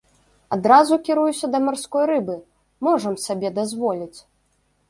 Адразу кіруюся да марской рыбы, можам сабе дазволіць!